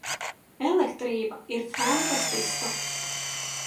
Elektrība ir fantastiska!